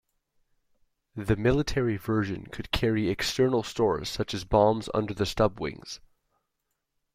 The military version could carry external stores such as bombs under the stub wings.